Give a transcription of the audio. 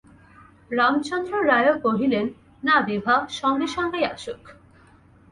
রামচন্দ্র রায়ও কহিলেন, না, বিভা সঙ্গে সঙ্গেই আসুক।